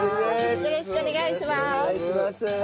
よろしくお願いします。